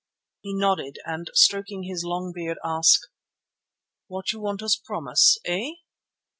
He nodded and stroking his long beard, asked: "What you want us promise, eh?"